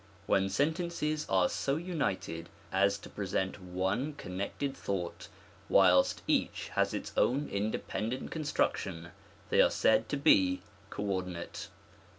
When sentences are so united as to present one connected thought, whilst each has its own independ ent construction, they are said to be coordinate.